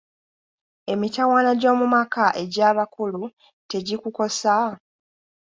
Emitawaana gy'omu maka egy'abakulu tegikukosa?